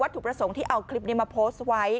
แล้ว